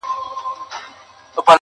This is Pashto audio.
ستا د غېږي یو ارمان مي را پوره کړه,